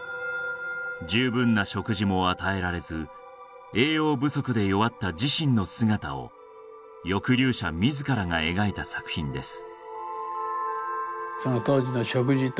十分な食事も与えられず栄養不足で弱った自身の姿を抑留者自らが描いた作品です